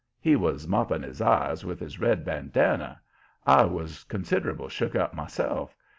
He was mopping his eyes with his red bandanner. I was consider'ble shook up myself.